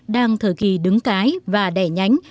đang thời kỳ đứng cái và đẻ nhánh